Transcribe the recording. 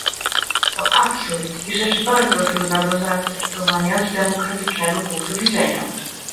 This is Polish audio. To absurd i rzecz bardzo trudna do zaakceptowania z demokratycznego punktu widzenia